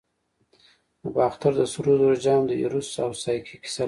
د باختر د سرو زرو جام د ایروس او سایکي کیسه لري